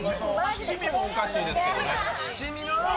七味もおかしいですけどね